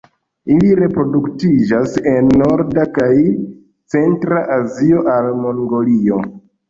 Ili reproduktiĝas en norda kaj centra Azio al Mongolio.